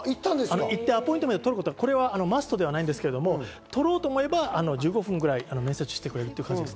アポイントメントを取ることがこれはマストではないですけど、取ろうと思えば１５分ぐらい面接してくれる感じです。